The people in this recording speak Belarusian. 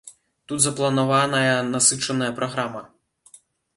Тут запланаваная насычаная праграма.